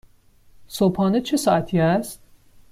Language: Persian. صبحانه چه ساعتی است؟